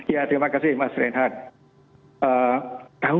ya terima kasih mas reinhardt